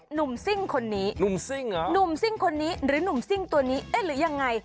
หนุ่มสิงคนนี้หนุ่มสิงหรือยังไง